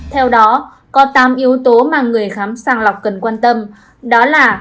theo đó có tám yếu tố mà người khám sàng lọc cần quan tâm đó là